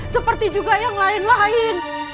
seperti juga yang lain lain